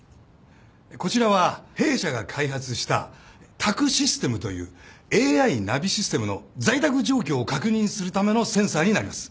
こちらは弊社が開発した宅・システムというＡＩナビシステムの在宅状況を確認するためのセンサーになります。